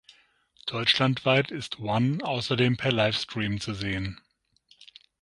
Deutschlandweit ist One außerdem per Livestream zu sehen.